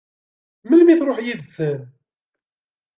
Melmi i tṛuḥ yid-sen?